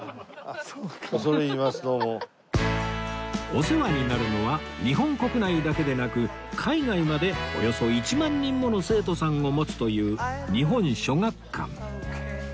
お世話になるのは日本国内だけでなく海外までおよそ１万人もの生徒さんを持つという日本書学館